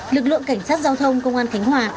lực lượng cảnh sát giao thông công an khánh hòa